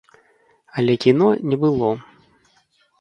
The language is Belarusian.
Але кіно не было.